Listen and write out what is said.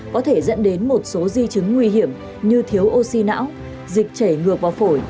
có thể dẫn đến một số di chứng nguy hiểm như thiếu oxy não dịch chảy ngược vào phổi